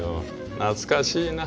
懐かしいな。